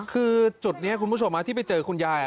คือจุดนี้คุณผู้ชมที่ไปเจอคุณยาย